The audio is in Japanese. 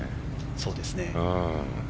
そうですね。